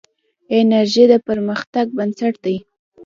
انرژي د پرمختګ بنسټ دی.